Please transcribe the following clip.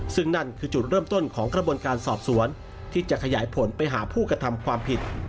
ซึ่งนั่นคือจุดเริ่มต้นของกระบวนการสอบสวนที่จะขยายผลไปหาผู้กระทำความผิด